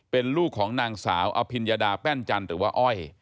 เป็นลูกของนางสาวอภิญญาดาแป้นจันทร์หรือว่าอ้อย